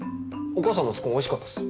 お母さんのスコーンおいしかったっす。